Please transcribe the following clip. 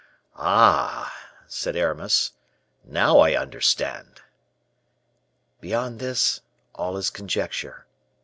"Ah!" said Aramis, "now I understand." "Beyond this, all is conjecture.